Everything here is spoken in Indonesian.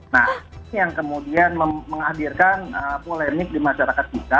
nah ini yang kemudian menghadirkan polemik di masyarakat kita